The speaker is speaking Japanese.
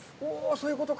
そういうことか。